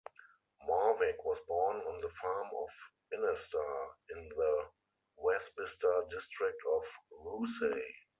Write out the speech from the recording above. Marwick was born on the farm of Innister, in the Wasbister district of Rousay.